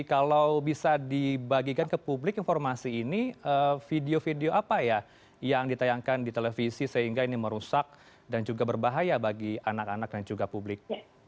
kalau bisa dibagikan ke publik informasi ini video video apa ya yang ditayangkan di televisi sehingga ini merusak dan juga berbahaya bagi anak anak dan juga publik